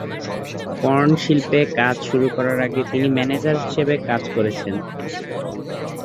Porn শিল্পে কাজ শুরু করার আগে তিনি ম্যানেজার হিসেবে কাজ করেছেন।